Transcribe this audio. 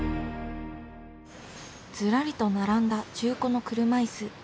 ずらりと並んだ中古の車いす。